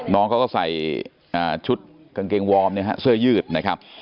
น้องเขาก็ใส่ชุดกางเกงวอร์มเนี่ยฮะเสื้อยืดนะครับ